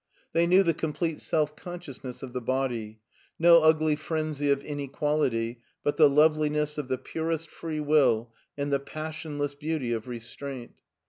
They knew the complete self consciousness of the body: no ugly frenzy of inequality but the loveliness of the purest free will and the passionless beauty of restraint.